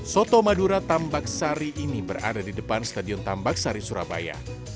soto madura tambak sari ini berada di depan stadion tambak sari surabaya